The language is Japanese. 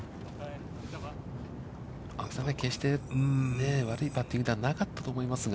青木さん、決して悪いパッティングではなかったと思いますが。